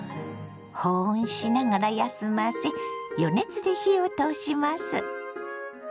保温しながら休ませ予熱で火を通します。